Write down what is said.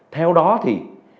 theo đó thì